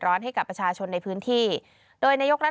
ทรงมีลายพระราชกระแสรับสู่ภาคใต้